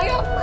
nggak mau ma